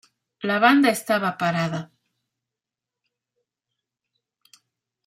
La banda estaba parada.